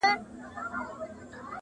بې پروا سي بس له خپلو قریبانو,